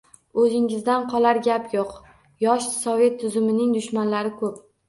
O’zingizdan qolar gap yo‘q, yosh sovet tuzumining dushmanlari ko‘p.